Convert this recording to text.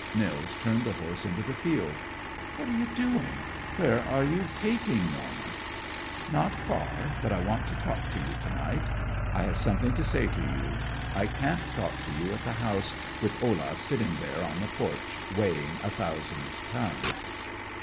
Nils turned the horse into the field. "What are you doing? Where are you taking Norman?" "Not far, but I want to talk to you to night; I have something to say to you. I can't talk to you at the house, with Olaf sitting there on the porch, weighing a thousand tons."